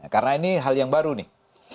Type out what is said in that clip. karena ini hal yang baru nih